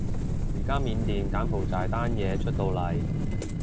而家緬甸柬埔寨單嘢出到嚟